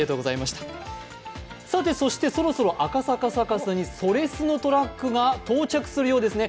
そろそろ赤坂サカスにそれスノトラックが到着するようですね。